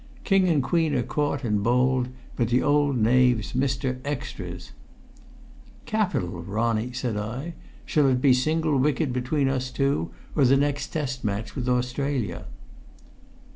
King and queen are caught and bowled, but the old knave's Mr. Extras!" "Capital, Ronnie!" said I. "Shall it be single wicket between us two, or the next test match with Australia?"